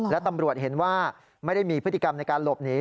และตำรวจเห็นว่าไม่ได้มีพฤติกรรมในการหลบหนี